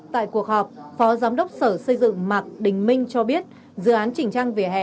tại cuộc họp phó giám đốc sở xây dựng mạc đình minh cho biết dự án chỉnh trang vỉa hè